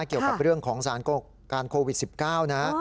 เกี่ยวกับเรื่องของสารการโควิด๑๙นะ